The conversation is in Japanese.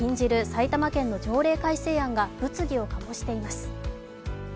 埼玉県の条例改正案が物議を醸しています。